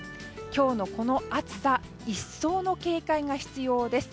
今日のこの暑さ一層の警戒が必要です。